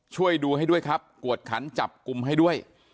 ช่วยดูให้ด้วยครับกวดขันจับกลุ่มให้ด้วย